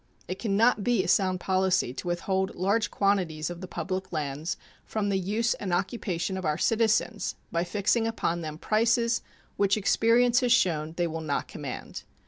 It can not be a sound policy to withhold large quantities of the public lands from the use and occupation of our citizens by fixing upon them prices which experience has shown they will not command.